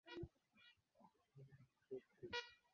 Aliyekuwa rafiki wa karibu wa Biko na ambaye yeye ndio aliyepiga